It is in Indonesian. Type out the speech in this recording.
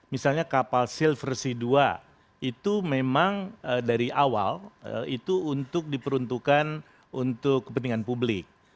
misalnya kapal silversi dua itu memang dari awal itu untuk diperuntukkan untuk kepentingan publik